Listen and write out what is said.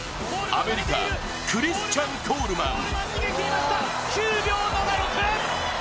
アメリカクリスチャン・コールマン。